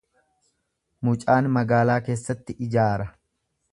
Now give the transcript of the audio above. Mucaan magaalaa keessatti ijaara.